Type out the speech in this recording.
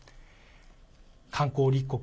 観光立国